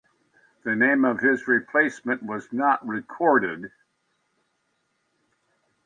The name of his replacement was not recorded.